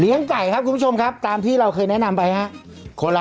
ไก่ครับคุณผู้ชมครับตามที่เราเคยแนะนำไปครับ